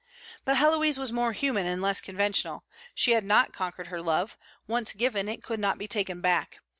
But Héloïse was more human and less conventional. She had not conquered her love; once given, it could not be taken back.